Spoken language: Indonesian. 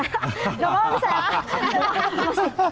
gak mau kesana